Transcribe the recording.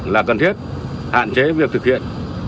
là cần thiết hạn chế việc thực hiện